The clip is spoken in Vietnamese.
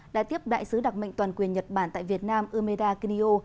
đã tiếp đại sứ đặc mệnh toàn quyền nhật bản tại việt nam umeda kinyo